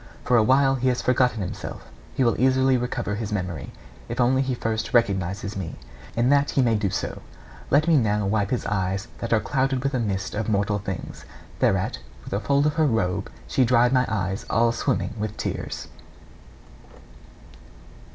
For awhile he has forgotten himself; he will easily recover his memory, if only he first recognises me. And that he may do so, let me now wipe his eyes that are clouded with a mist of mortal things.' Thereat, with a fold of her robe, she dried my eyes all swimming with tears.